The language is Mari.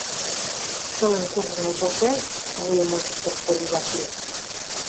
Шылын куржын отыл чай? — вуйым ончыктыш Кори Васлий.